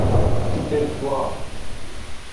تیپہ گوا۔